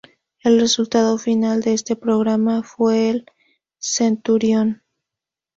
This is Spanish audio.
El resultado final de este programa fue el 'Centurión'.